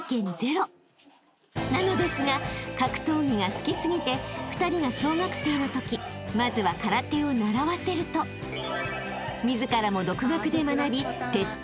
［なのですが格闘技が好きすぎて２人が小学生のときまずは空手を習わせると自らも］